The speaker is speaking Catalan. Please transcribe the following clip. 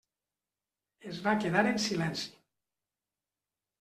Es va quedar en silenci.